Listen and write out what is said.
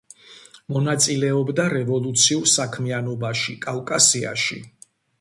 მონაწილეობდა რევოლუციურ საქმიანობაში კავკასიაში.